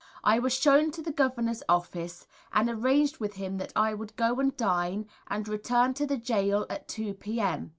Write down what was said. I was shown to the Governor's office, and arranged with him that I would go and dine and return to the Gaol at 2 0. p.m.